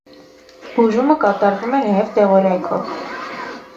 Բուժումը կատարվում է նաև դեղորայքով։